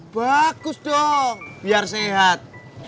bagus dong biar sehat